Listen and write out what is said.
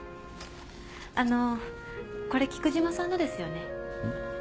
あのこれ菊島さんのですよね？